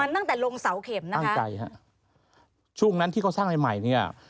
ตั้งแต่ลงเสาเข็มนะครับอ้างใจครับช่วงนั้นที่เขาสร้างใหม่เนี่ย